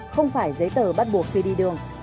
không phải giấy tờ bắt buộc khi đi đường